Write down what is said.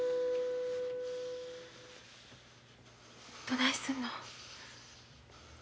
どないするの？